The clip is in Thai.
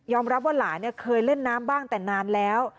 รับว่าหลานเคยเล่นน้ำบ้างแต่นานแล้ว